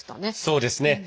そうですね。